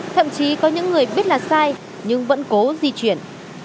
thậm chí có những người biết là sai nhưng vẫn cố di chuyển